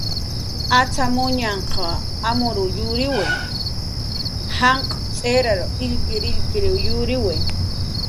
Acxamuñanh amruw yuriwi, janq' tz'irar illkirillkiriw yuriwi